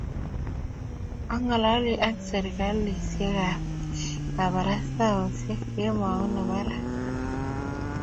ang'ololi ak serisiekab kabarastaosiek kemou nebo rauni